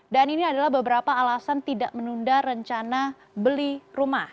dan ini adalah beberapa alasan tidak menunda rencana beli rumah